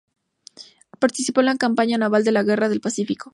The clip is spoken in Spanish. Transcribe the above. Participó en la Campaña naval de la Guerra del Pacífico.